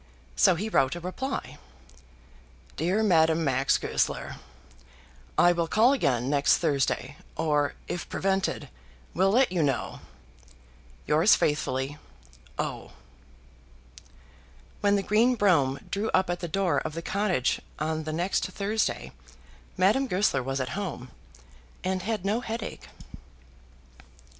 So he wrote a reply, DEAR MADAME MAX GOESLER, I will call again next Thursday, or, if prevented, will let you know. Yours faithfully, O. When the green brougham drew up at the door of the cottage on the next Thursday, Madame Goesler was at home, and had no headache.